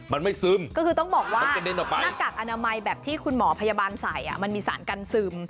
มันไม่ซึมก็คือต้องบอกว่าหน้ากากอนามัยแบบที่คุณหมอพยาบาลใส่มันมีสารกันซึม